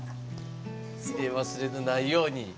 入れ忘れのないように。